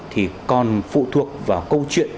thì còn phụ thuộc vào câu chuyện